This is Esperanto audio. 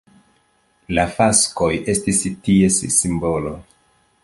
La faskoj estis ties simbolo.